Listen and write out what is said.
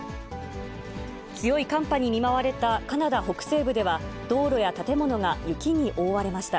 強い寒波に見舞われたカナダ北西部では、道路や建物が雪に覆われました。